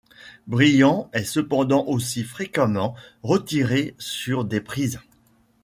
Bryant est cependant aussi fréquemment retiré sur des prises.